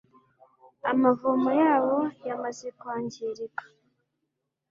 amavomo yabo yamaze kwangirika